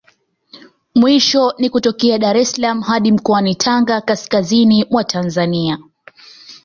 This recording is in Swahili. Mwisho ni kutokea Dar es salaam hadi mkoani Tanga kaskazini mwa Tanzania